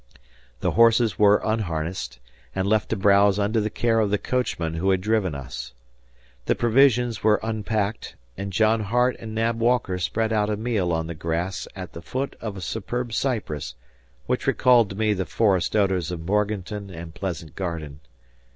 The horses were unharnessed, and left to browse under the care of the coachman who had driven us. The provisions were unpacked, and John Hart and Nab Walker spread out a meal on the grass at the foot of a superb cypress which recalled to me the forest odors of Morganton and Pleasant Garden.